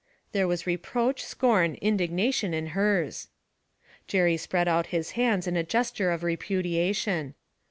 There was reproach, scorn, indignation in hers. Jerry spread out his hands in a gesture of repudiation.